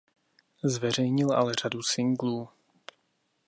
Zveřejnil ale řadu singlů.